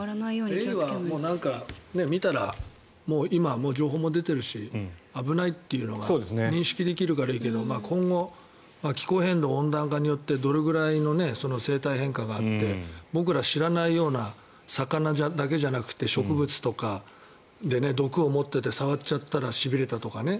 エイは見たら今、情報も出ているし危ないというのが認識できるからいいけど今後、気候変動、温暖化によってどれくらいの生態変化があって僕らが知らないような魚だけじゃなくて植物とかで毒を持っていて触っちゃったらしびれたとかね